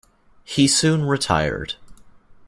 He soon retired.